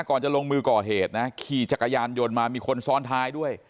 ก่อนจะลงมือก่อเหตุนะขี่จักรยานยนต์มามีคนซ้อนท้ายด้วย